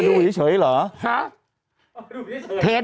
ถูกต้องถูกต้อง